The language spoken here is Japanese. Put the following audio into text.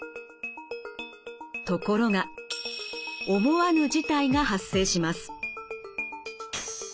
ところが思わぬ事態が発生します。